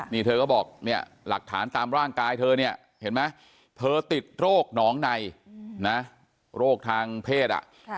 นี่เธอก็บอกหลักฐานตามร่างกายเธอเธอติดโรคหนองในโรคทางเพศ